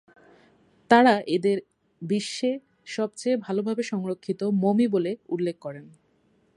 তারা এদের বিশ্বে সবচেয়ে ভালোভাবে সংরক্ষিত মমি বলে উল্লেখ করেন।